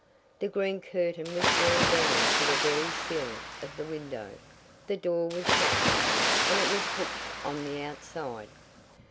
The green curtain was drawn down to the very sill of the window. The door was shut and it was hooked on the outside.